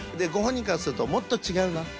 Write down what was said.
ご本人からするともっと違うな。